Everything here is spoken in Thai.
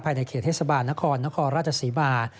ในเขตเทศบาลนครนครราชศรีมา